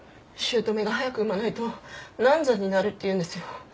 姑が早く産まないと難産になるって言うんですよ。